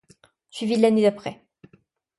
Suivi de l'année d'après.